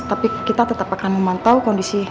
tapi kita tetap akan memantau kondisi